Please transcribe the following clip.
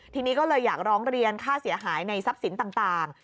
ทีนี้ก็เลยอยากร้องเรียนค่าเสียหายในทรัพย์สินต่าง